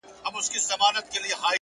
لكه ژړا ـ